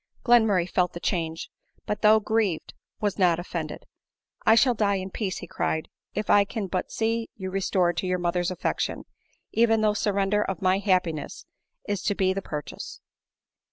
Glenmurray felt the change, but though grieved, was not offended ;" I shall die in peace," be cried, " if I can but see you restored to your mother's affection, even though the surrender of ray happiness is to be the pur chase."